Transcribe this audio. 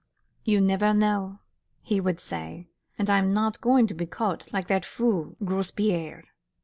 "You never know," he would say, "and I'm not going to be caught like that fool Grospierre."